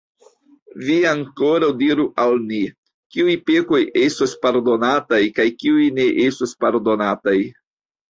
Vi ankoraŭ diru al ni: kiuj pekoj estos pardonataj kaj kiuj ne estos pardonataj?